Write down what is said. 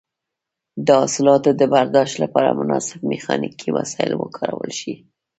د حاصلاتو د برداشت لپاره مناسب میخانیکي وسایل وکارول شي.